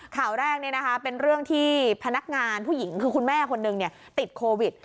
ข่าวแรกเป็นเรื่องที่พนักงานผู้หญิงคือคุณแม่คนหนึ่งติดโควิด